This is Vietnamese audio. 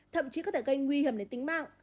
thậm chí có thể gây nguy hiểm đến tính mạng